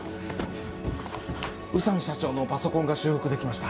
宇佐美社長のパソコンが修復できました。